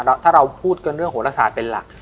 ถ้าเราพูดกันเรื่องโหลศาสตร์เป็นหลัก